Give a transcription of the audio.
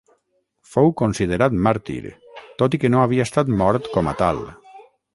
Fou considerat màrtir, tot i que no havia estat mort com a tal.